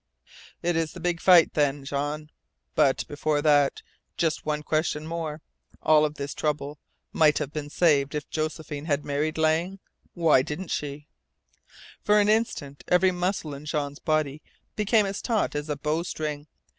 "It is the big fight then, Jean. But, before that, just one question more. All of this trouble might have been saved if Josephine had married Lang. Why didn't she?" For an instant every muscle in Jean's body became as taut as a bowstring.